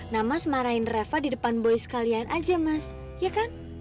nah mas marahin reva di depan boys kalian aja mas ya kan